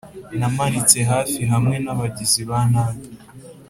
namanitse hafi hamwe n'abagizi ba nabi